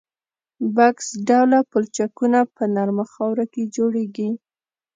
بکس ډوله پلچکونه په نرمه خاوره کې جوړیږي